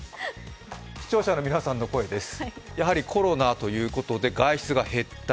視聴者の皆さんの声です。